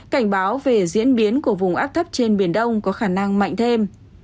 cảnh báo về diễn biến của vùng áp thấp trên biển đông có khả năng mạnh thêm